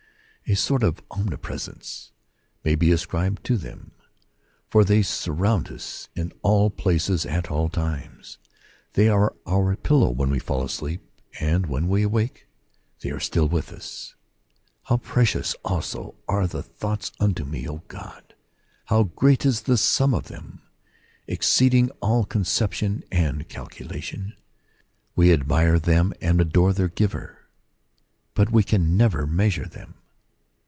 A sort of omni presence may be ascribed to them ; for they sur round us in all places and at all times. They are our pillow when we fall asleep, and when we awake they are still with us. " How precious also The Valuation of the Promises. 65 are thy thoughts unto me, O God ! How great is the sum of them !"" Exceeding " all conception and calculation ; we admire them and adore their Giver, but we can never measure them.